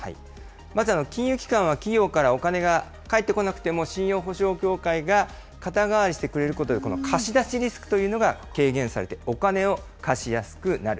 まず、金融機関は企業からお金が返ってこなくても、信用保証協会が肩代わりしてくれることで、この貸し出しリスクというのが軽減されて、お金を貸しやすくなる。